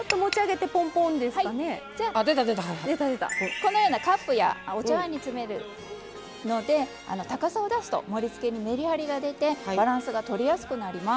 このようなカップやお茶わんに詰めるので高さを出すと盛りつけにメリハリが出てバランスがとりやすくなります。